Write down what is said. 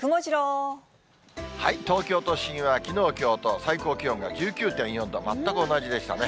東京都心はきのう、きょうと最高気温が１９．４度、全く同じでしたね。